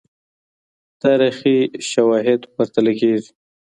تاريخي سواهد پرتله کيږي.